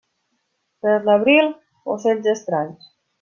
Per l'abril, ocells estranys.